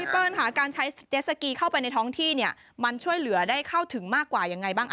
เปิ้ลค่ะการใช้เจสสกีเข้าไปในท้องที่เนี่ยมันช่วยเหลือได้เข้าถึงมากกว่ายังไงบ้าง